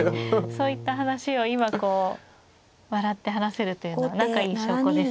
そういった話を今こう笑って話せるというのは仲いい証拠ですね。